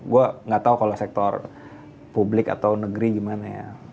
gue gak tau kalau sektor publik atau negeri gimana ya